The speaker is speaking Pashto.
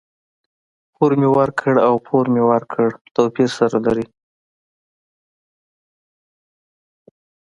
پور مي ورکړ او پور مې ورکړ؛ توپير سره لري.